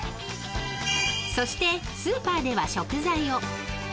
［そしてスーパーでは食材を］